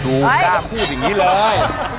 ดูค่าพูดอย่างงี้เลย